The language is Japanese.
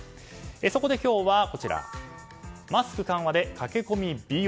そこで今日はマスク緩和で駆け込み美容。